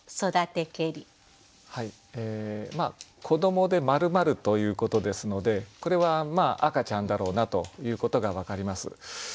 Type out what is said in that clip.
子どもで「丸々」ということですのでこれは赤ちゃんだろうなということが分かります。